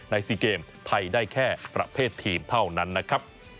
๔เกมไทยได้แค่ประเภททีมเท่านั้นนะครับ